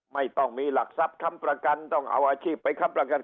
ไม่ต้องมีหลักทรัพย์ค้ำประกันต้องเอาอาชีพไปค้ำประกัน